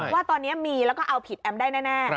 ว่าตอนนี้มีแล้วก็เอาผิดแอมได้แน่